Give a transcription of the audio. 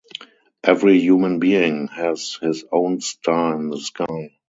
Every human being has his own star in the sky.